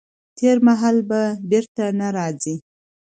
تېر مهال به بیرته نه راځي.